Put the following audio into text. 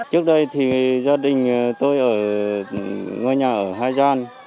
trước đây thì gia đình tôi ở ngôi nhà ở hai gian